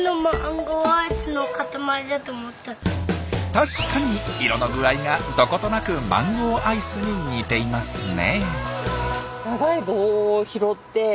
確かに色の具合がどことなくマンゴーアイスに似ていますね。